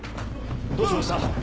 ・どうしました？